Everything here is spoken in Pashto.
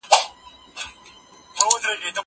زه پرون سبا ته فکر کوم!.